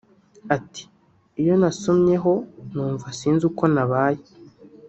Ati “Iyo nasomyeho numva sinzi uko nabaye